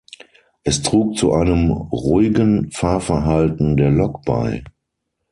Es trug zu einem ruhigen Fahrverhalten der Lok bei.